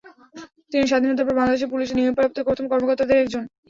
তিনি স্বাধীনতার পরে বাংলাদেশ পুলিশে নিয়োগপ্রাপ্ত প্রথম কর্মকর্তাদের একজন।